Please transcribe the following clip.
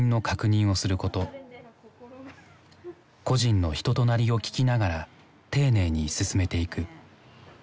故人の人となりを聞きながら丁寧に進めていく。